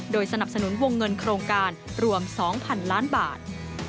สนับสนุนวงเงินโครงการรวม๒๐๐๐ล้านบาท